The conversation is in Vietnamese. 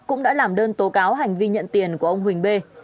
cũng đã làm đơn tố cáo hành vi nhận tiền của ông huỳnh bê